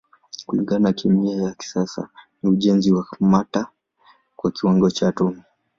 Kulingana na kemia ya kisasa ni ujenzi wa mata kwa kiwango cha atomi.